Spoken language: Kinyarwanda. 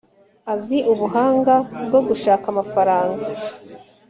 azi ubuhanga bwo gushaka amafaranga